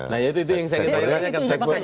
nah itu yang saya kira